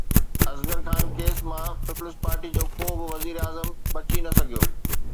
Asghar Khan case مان Peoples Party جو ڪو به وزيراعظم بچي نه سگهيو.